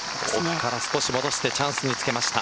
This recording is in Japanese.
少し戻してチャンスにつけました。